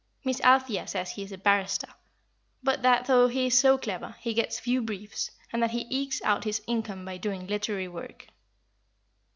Miss Althea says he is a barrister but that, though he is so clever, he gets few briefs, and that he ekes out his income by doing literary work."